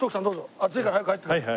暑いから早く入ってください。